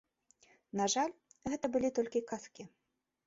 На жаль, гэта былі толькі казкі.